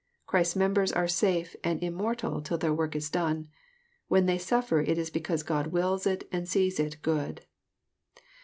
Christ's members are safe and immortal till their work is done. When they suffer it is because God wills it and sees it good.